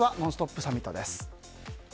サミットです。